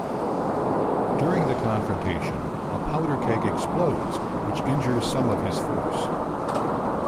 During the confrontation, a powder keg explodes which injures some of his force.